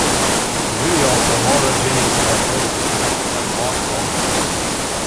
The video for "Moira Jane's Cafe" was directed by Mark Romanek.